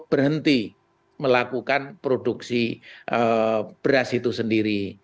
berhenti melakukan produksi beras itu sendiri